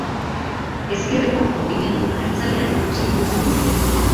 Ezkerreko Mugimendu Abertzalean segitu zuen.